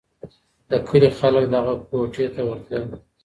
د کلي خلک دغه کوټې ته ورتلل.